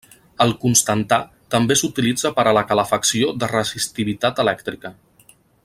El constantà també s'utilitza per a la calefacció de resistivitat elèctrica.